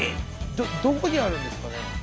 どこにあるんですかね？